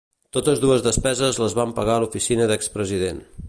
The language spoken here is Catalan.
Totes dues despeses les va pagar l’oficina d’ex-president.